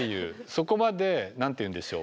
そこまで何て言うんでしょう